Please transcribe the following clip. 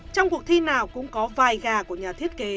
trong cuộc thi nào cũng có vài gà của nhà thiết kế